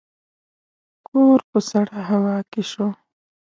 کور په سړه هوا کې شو.